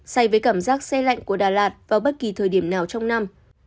xay với cảm giác xe lạnh của đà lạt vào bất kỳ thời điểm nào trong năm